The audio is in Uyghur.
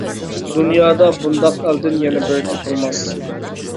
دۇنيادا بۇنداق ئەلدىن يەنە بىرى تېپىلماس!